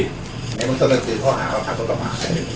ในธุรกิจข้อหาข้อคำตอบหา